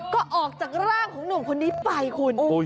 ก็ออกจากร่างของหนุ่มคนนี้ไปคุณ